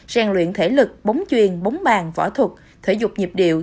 rèn luyện thể lực bóng chuyền bóng bàn võ thuật thể dục nhịp điệu